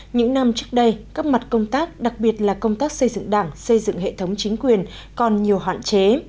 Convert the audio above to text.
những năm trước đây các mặt công tác đặc biệt là công tác xây dựng đảng xây dựng hệ thống chính quyền còn nhiều hạn chế